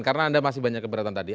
karena anda masih banyak keberatan tadi